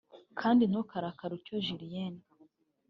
kandi ntukarakare utyo Julienne